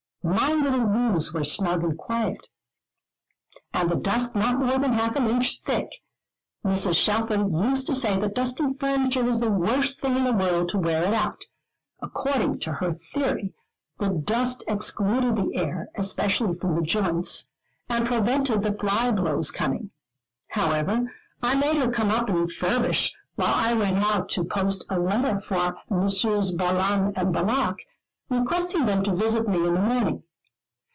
My little rooms were snug and quiet, and the dust not more than half an inch thick. Mrs. Shelfer used to say that dusting furniture was the worst thing in the world to wear it out. According to her theory, the dust excluded the air, especially from the joints, and prevented the fly blows coming. However, I made her come up and furbish, while I went out to post a letter for Messrs. Balaam and Balak, requesting them to visit me in the morning.